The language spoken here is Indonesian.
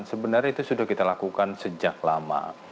sebenarnya itu sudah kita lakukan sejak lama